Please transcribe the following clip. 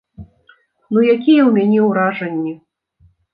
Ну якія ў мяне ўражанні.